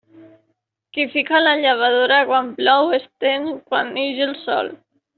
Qui fica la llavadora quan plou, estén quan ix el sol.